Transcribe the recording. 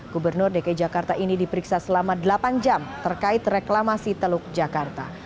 gubernur dki jakarta ini diperiksa selama delapan jam terkait reklamasi teluk jakarta